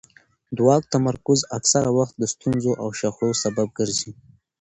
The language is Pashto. د واک تمرکز اکثره وخت د ستونزو او شخړو سبب ګرځي